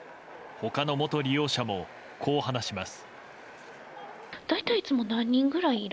他の元利用者もこう話します。